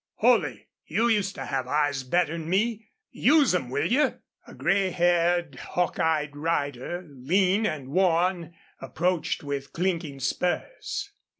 ... Holley, you used to have eyes better 'n me. Use them, will you?" A gray haired, hawk eyed rider, lean and worn, approached with clinking spurs.